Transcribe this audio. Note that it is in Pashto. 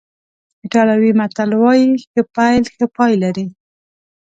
ایټالوي متل وایي ښه پیل ښه پای لري.